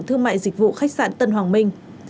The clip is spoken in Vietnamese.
thương mại dịch vụ khách sạn tân hoàng minh